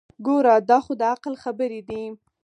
ګوره دا خو دعقل خبرې دي.